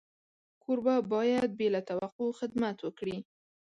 کوربه باید بې له توقع خدمت وکړي.